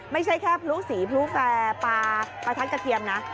ไม่ใช่แค่พลุสีพลุแฟร์ปลาประทัดกระเทียมนะ